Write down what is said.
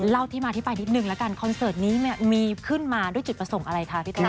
เล่าที่มาอธิบายนิดนึงละกันคอนเสิร์ตนี้มีขึ้นมาด้วยจุดประสงค์อะไรคะพี่ต้อง